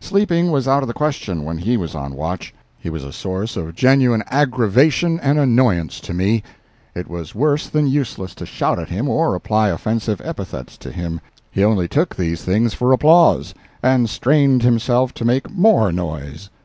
Sleeping was out of the question when he was on watch. He was a source of genuine aggravation and annoyance to me. It was worse than useless to shout at him or apply offensive epithets to him—he only took these things for applause, and strained himself to make more noise.